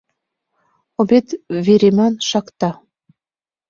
Обед вереман шакта